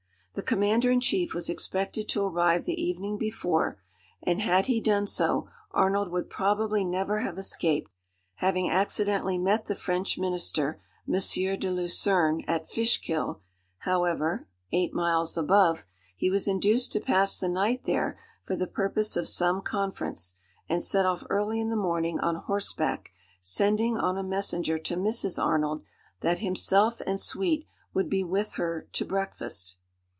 The commander in chief was expected to arrive the evening before, and had he done so, Arnold would probably never have escaped. Having accidentally met the French minister, M. de Lucerne, at Fishkill, however (eight miles above), he was induced to pass the night there for the purpose of some conference, and set off early in the morning on horseback, sending on a messenger to Mrs. Arnold that himself and suite would be with her to breakfast.